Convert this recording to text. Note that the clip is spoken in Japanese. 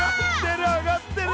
あがってる！